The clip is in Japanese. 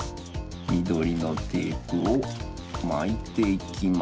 みどりのテープをまいていきます。